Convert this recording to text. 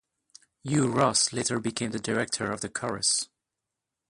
Hugh Ross later became the director of the chorus.